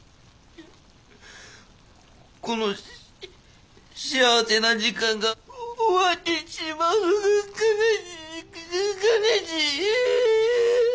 この幸せな時間が終わってしまうのが悲しい悲しい。